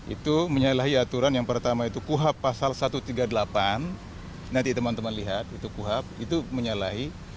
itu menyalahi aturan yang pertama itu kuhab pasal satu ratus tiga puluh delapan nanti teman teman lihat itu kuhap itu menyalahi